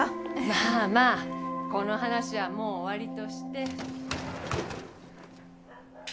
まあまあこの話はもう終わりとして。